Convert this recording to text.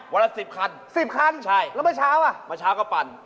วันละสิบคันสิบคันแล้วเมื่อเช้าก็ปั่น